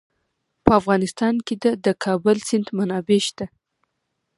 په افغانستان کې د د کابل سیند منابع شته.